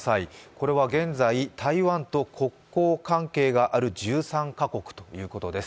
これは現在、台湾と国交関係がある１３か国ということです。